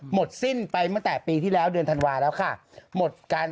หมดสิ้นไปตั้งแต่ปีที่แล้วเดือนธันวาแล้วค่ะหมดการ